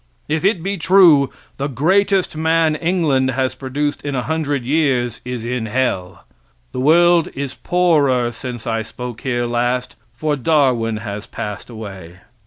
If it be true, the greatest man England has produced in 100 years is in hell. The world is poorer since I spoke here last, for Darwin has passed away.